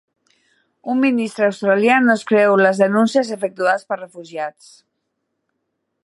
Un ministre australià no es creu les denúncies efectuades per refugiats